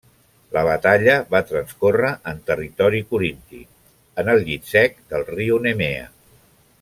La batalla va transcórrer en territori corinti, en el llit sec del riu Nemea.